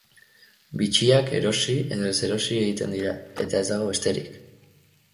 Bitxiak erosi-edo-ez-erosi egiten dira, eta ez dago besterik!